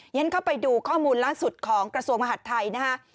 ฉันเข้าไปดูข้อมูลล่าสุดของกระทรวงมหัฐไทยนะฮะ